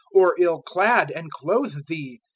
or ill clad, and clothe Thee?